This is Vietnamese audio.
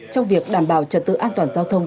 trong việc đảm bảo trật tự an toàn giao thông